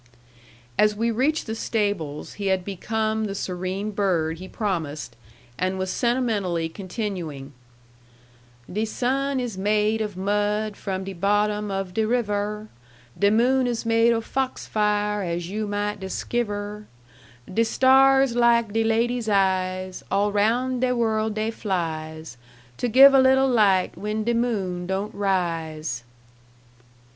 As we reached the stables, he had become the serene bird he promised, and was sentimentally continuing: "'De sun is made of mud from de bottom of de river; De moon is made o' fox fire, as you might disciver; De stars like de ladies' eyes, All round de world dey flies, To give a little light when de moon don't rise.'"